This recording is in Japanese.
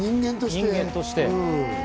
人間として。